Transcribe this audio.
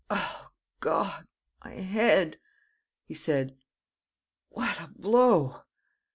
"O God, my head!" he said. "What a blow!"